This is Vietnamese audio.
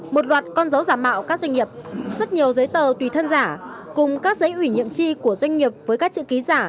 một loạt con dấu giả mạo các doanh nghiệp rất nhiều giấy tờ tùy thân giả cùng các giấy ủy nhiệm chi của doanh nghiệp với các chữ ký giả